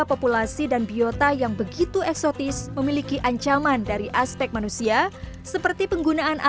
populasi dan biota yang begitu eksotis memiliki ancaman dari aspek manusia seperti penggunaan